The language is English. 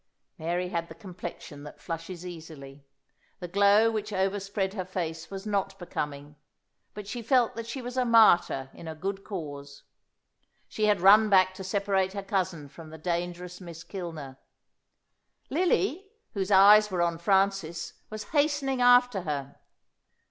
Mary had the complexion that flushes easily. The glow which overspread her face was not becoming, but she felt that she was a martyr in a good cause. She had run back to separate her cousin from the dangerous Miss Kilner. Lily, whose eyes were on Francis, was hastening after her.